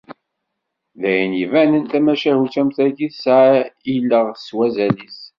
D ayen ibanen, tamacahut am tagi tesɛa ileɣ s wazal-is.